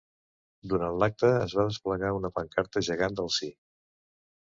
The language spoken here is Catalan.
Durant l’acte, es va desplegar una pancarta gegant del sí.